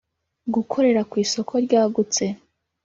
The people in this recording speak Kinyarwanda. gukorera ku isoko ryagutse